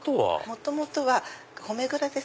元々は米蔵です。